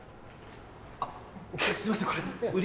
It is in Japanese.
あっすいませんこれ。